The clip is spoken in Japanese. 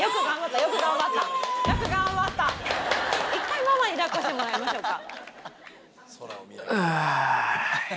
１回ママに抱っこしてもらいましょうか。